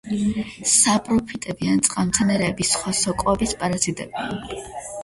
საპროფიტები ან წყალმცენარეების, სხვა სოკოების პარაზიტებია.